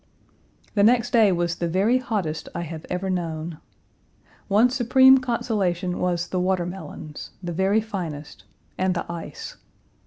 The next day was the very hottest I have ever known. One supreme consolation was the watermelons, the very finest, and the ice.